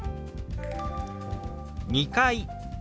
「２階」。